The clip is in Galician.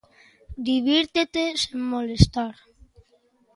Divírtete sen molestar!